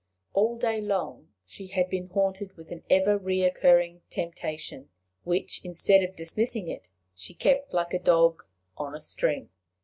All day long she had been haunted with an ever recurring temptation, which, instead of dismissing it, she kept like a dog in a string.